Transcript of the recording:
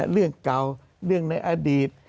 เรื่องเก่าเรื่องในอดีต